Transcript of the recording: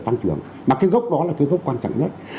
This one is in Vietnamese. tăng trưởng mà cái gốc đó là cái gốc quan trọng nhất